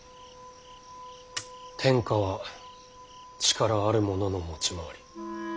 天下は力ある者の持ち回り。